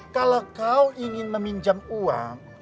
kalau kau ingin meminjam uang